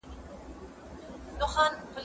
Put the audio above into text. زه به زده کړه کړي وي.